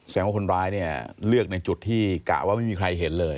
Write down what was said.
ว่าคนร้ายเนี่ยเลือกในจุดที่กะว่าไม่มีใครเห็นเลย